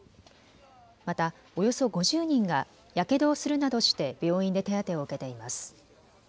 また、およそ５０人がやけどをするなどして病院で手当てを受けています。